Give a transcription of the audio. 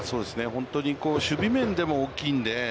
本当に守備面でも大きいので。